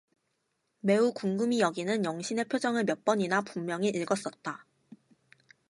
매우 궁금히 여기는 영신의 표정을 몇 번이나 분명히 읽었었다.